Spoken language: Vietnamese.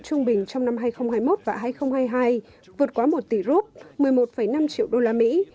trung bình trong năm hai nghìn hai mươi một và hai nghìn hai mươi hai vượt quá một tỷ rút một mươi một năm triệu đô la mỹ